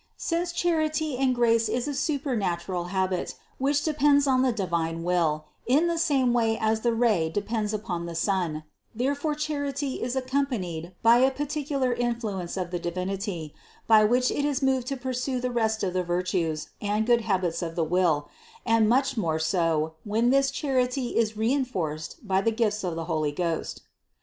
Since charity and grace is a supernatural habit, which depends on the divine Will in the same way as the ray depends upon the sun, therefore charity is ac companied by a particular influence of the Divinity, by which it is moved to pursue the rest of the virtues and good habits of the will, and much more so, when this charity is re enforced by the gifts of the Holy Ghost.